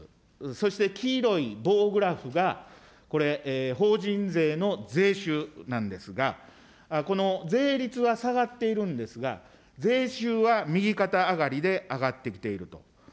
そして黄色い棒グラフがこれ、法人税の税収なんですが、この税率は下がっているんですが、税収は右肩上がりで上がってきていると。